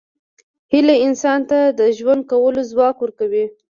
هیله انسان ته د ژوند کولو ځواک ورکوي.